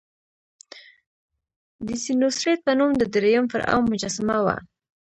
د سینوسریت په نوم د دریم فرعون مجسمه وه.